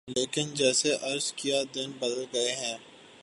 لیکن جیسے عرض کیا دن بدل گئے ہیں۔